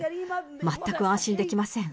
全く安心できません。